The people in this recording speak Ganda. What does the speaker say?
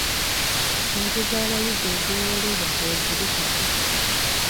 Ssente z'abayizi ezeewolebwa weeziri kati.